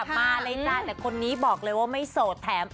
มาเลยจ้าแต่คนนี้บอกเลยว่าไม่โสดแถม